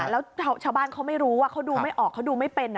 แล้วชาวบ้านเขาไม่รู้ว่าเขาดูไม่ออกเขาดูไม่เป็น